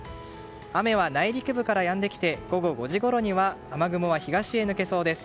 雨は内陸部からやんできて午後５時ごろには雨雲は東へ抜けそうです。